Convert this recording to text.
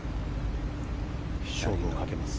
勝負をかけます。